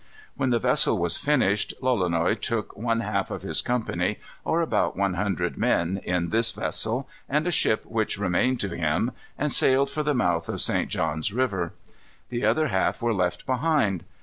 When the vessel was finished, Lolonois took one half of his company, or about one hundred men, in this vessel and a ship which remained to him, and sailed for the mouth of St. John's River. The other half were left behind.